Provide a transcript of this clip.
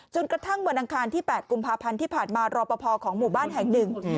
จนกระทั่งวันอังคารที่๘กุมภาพันธ์ที่ผ่านมารอปภของหมู่บ้านแห่งหนึ่ง